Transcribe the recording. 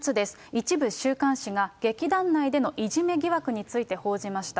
一部週刊誌が、劇団内でのいじめ疑惑について報じました。